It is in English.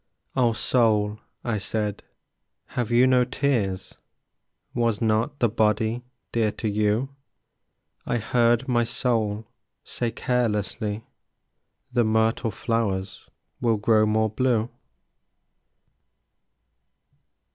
"O Soul," I said, "have you no tears? Was not the body dear to you?" I heard my soul say carelessly, "The myrtle flowers will grow more blue."